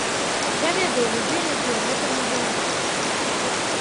Я ведаю людзей, якія гэтым не займаюцца.